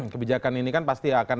kebijakan ini kan pasti akan